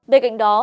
bên cạnh đó